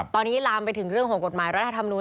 ตอนนี้ลามไปถึงเรื่องของกฎหมายรัฐธรรมนูล